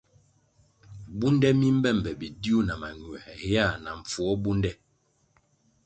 Bunde mi mbe be bidiu na mañuē héa na mpfuo bunde.